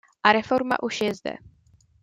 A reforma už je zde.